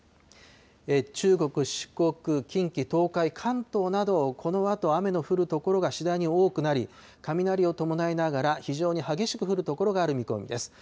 中国、四国、近畿、東海、関東など、このあと雨の降る所が次第に多くなり、雷を伴いながら、非常に激しく降る所がある見込みです。